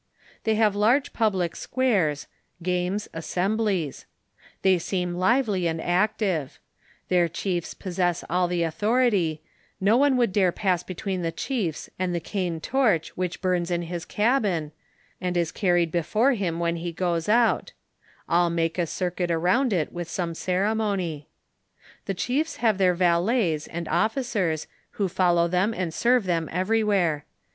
They have large public squares, games, assemblies ; they seem lively and active ; their chiefs possess all the authority ; no one would dare pass between the chiefs and the cane torch which burns in his cabin, and is carried before him when he goes out ; all make a circuit around it with some ceremony. The chiefs have their valets and of ficers, who follow them and serve them everywhere.